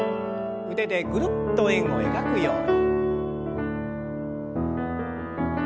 腕でぐるっと円を描くように。